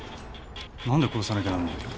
何で殺さなきゃなんないんだよ？